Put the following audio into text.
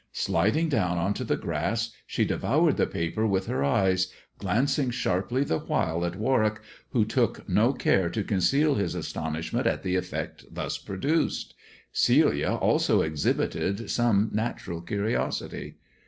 Sliding down on to the grass she devoured the paper with her eyes, glancing sharply the while at Warwick, who took no care to conceal his astonishment at the effect thus produced. Celia also exhibited some natural curiosity.